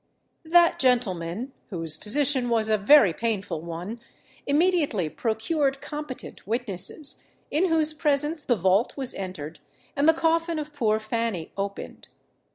That gentleman, whose position was a very painful one, immediately procured competent witnesses, in whose presence the vault was entered, and the coffin of poor Fanny opened.